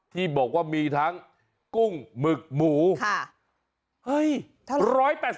ที่บอกว่ามีทั้งกุ้งหมึกหมู๑๘๐บาท